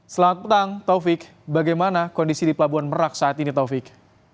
selamat petang taufik bagaimana kondisi di pelabuhan merak saat ini taufik